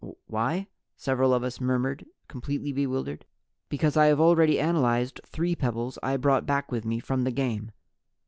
"Why?" several of us murmured, completely bewildered. "Because I have already analyzed three pebbles I brought back with me from the game.